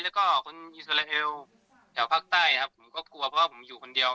แล้วก็คนอิสราเอลจากภาคใต้ครับผมก็กลัวเพราะว่าผมอยู่คนเดียว